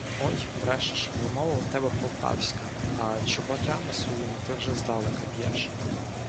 — Ой брешеш! Вимова у тебе полтавська, а чоботями своїми ти вже здалека б’єш.